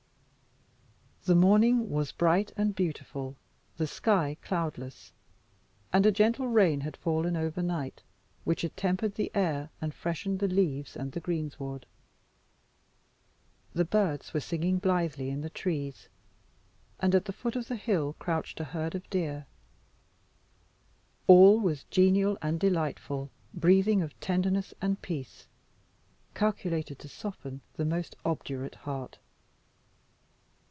The morning was bright and beautiful, the sky cloudless, and a gentle rain had fallen over night, which had tempered the air and freshened the leaves and the greensward. The birds were singing blithely in the trees, and at the foot of the hill crouched a herd of deer. All was genial and delightful, breathing of tenderness and peace, calculated to soften the most obdurate heart.